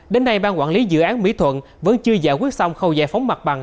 đến nay bang quản lý dự án mỹ thuận vẫn chưa giải quyết xong khâu giải phóng mặt bằng